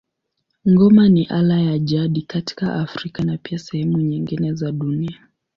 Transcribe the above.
Ngoma ni ala ya jadi katika Afrika na pia sehemu nyingine za dunia.